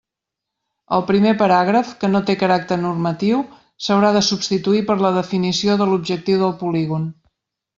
El primer paràgraf, que no té caràcter normatiu, s'haurà de substituir per la definició de l'objectiu del polígon.